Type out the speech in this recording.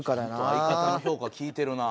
相方の評価効いてるな。